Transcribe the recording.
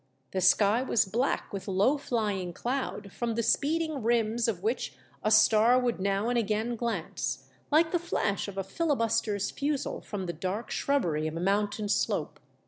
The sky was black with low flying cloud, from the speeding rims of which a star would MV LIFE IS ATTEMPTED. 315 now and again glance, like the flash of a fillibuster's fusil from the dark shrubbery of a mountain slope.